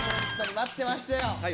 待ってましたか。